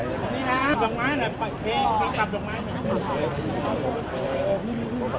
ดีนะได้เสร็จเร็วอี๋เหรอ